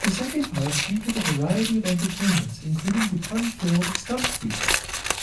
The second part featured a variety of entertainments, including the pun-filled stump speech.